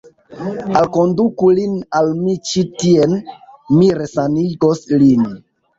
Alkonduku lin al mi ĉi tien; mi resanigos lin.